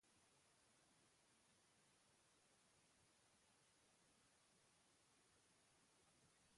Pertsonak juzgatzen badituzu ez dituzu maiteko